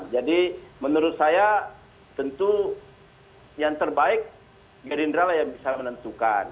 jadi menurut saya tentu yang terbaik gerindra lah yang bisa menentukan